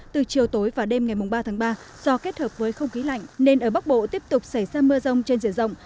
từ chiều tối và đêm ngày ba tháng ba do kết hợp với không khí lạnh nên ở bắc bộ tiếp tục xảy ra mưa rông trên diện rộng